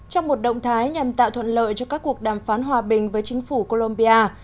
trong một động thái nhằm tạo thuận lợi cho các cuộc đàm phán hòa bình với chính phủ colombia